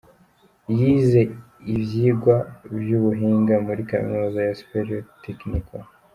Yize ivyigwa vy’ubuhinga muri kaminuza ya ‘Superior Tecnico’.